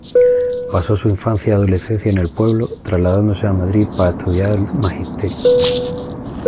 Pasó su infancia y adolescencia en el pueblo, trasladándose a Madrid para estudiar Magisterio.